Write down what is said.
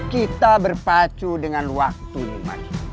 kita berpacu dengan waktu lima